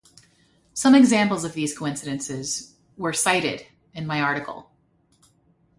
Some examples of these coincidences were cited in my article.